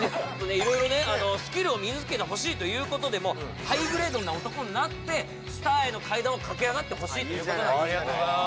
いろいろねスキルを身に付けてほしいということでもうハイグレードな男になってスターへの階段を駆け上がってほしいということなんですありがとうございます